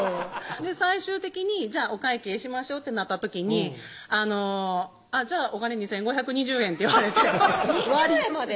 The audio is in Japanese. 最終的に「お会計しましょう」ってなった時に「じゃあお金２５２０円」って言われて２０円まで？